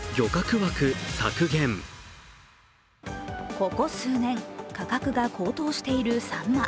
ここ数年、価格が高騰しているさんま。